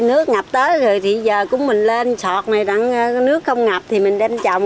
nước ngập tới rồi thì giờ cũng mình lên sọt này nước không ngập thì mình đem trồng